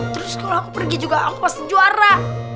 terus kalau aku pergi juga aku pasti juara